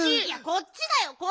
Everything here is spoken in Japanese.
いやこっちだよ。